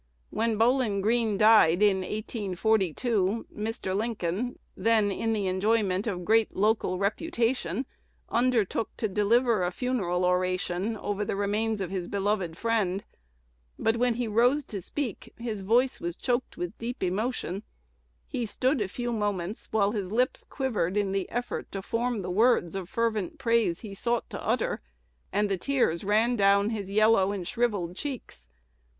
When Bowlin Greene died, in 1842, Mr. Lincoln, then in the enjoyment of great local reputation, undertook to deliver a funeral oration over the remains of his beloved friend; but, when he rose to speak, his voice was choked with deep emotion: he stood a few moments, while his lips quivered in the effort to form the words of fervent praise he sought to utter, and the tears ran down his yellow and shrivelled cheeks.